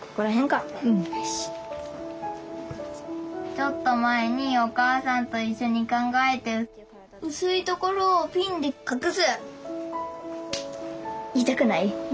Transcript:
ちょっとまえにお母さんといっしょに考えて薄いところをピンで隠す！